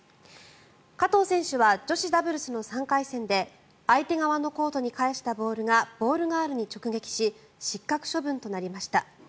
加藤選手は女子ダブルスの３回戦で相手側のコートに返したボールがボールガールに直撃し失格処分となりました。